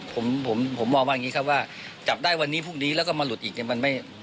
ผมผมมองว่าอย่างนี้ครับว่าจับได้วันนี้พรุ่งนี้แล้วก็มาหลุดอีกเนี่ยมันไม่